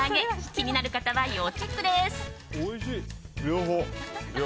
気になる方は要チェックです。